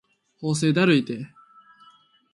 法政だるいて